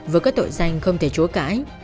với các tội danh không thể chúa cãi